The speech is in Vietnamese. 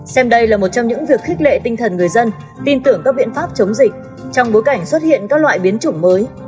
xem đây là một trong những việc khích lệ tinh thần người dân tin tưởng các biện pháp chống dịch trong bối cảnh xuất hiện các loại biến chủng mới